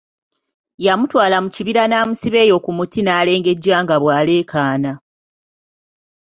Yamutwala mu kibira n'amusiba eyo ku muti n'alengejja nga bw'aleekaana.